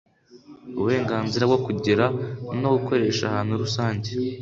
uburenganzira bwo kugera no gukoresha ahantu rusange